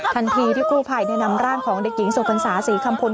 ทันทีที่ผู้ไผ่เนี่ยนำร่างของเด็กหญิงสวนศาสีคำพล